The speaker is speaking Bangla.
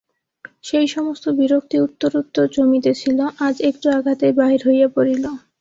সেই-সমস্ত বিরক্তি উত্তরোত্তর জমিতেছিল–আজ একটু আঘাতেই বাহির হইয়া পড়িল।